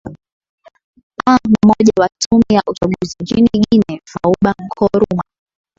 a mmoja wa tume ya uchaguzi nchini guniea fauba kouruma